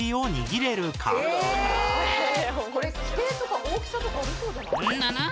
これ規定とか大きさとかありそうじゃない？